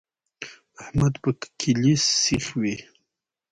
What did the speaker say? احمد په کلي سیخ وي.